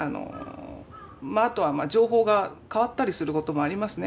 あとは情報が変わったりすることもありますね。